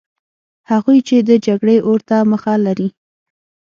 هغوی چې د جګړې اور ته مخه لري.